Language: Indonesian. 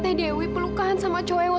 tadi kita liat dewi pelukan sama cowok cowok